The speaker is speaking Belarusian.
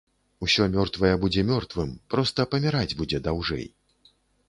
Усё мёртвае будзе мёртвым, проста паміраць будзе даўжэй.